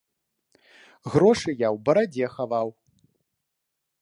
Грошы я ў барадзе хаваў.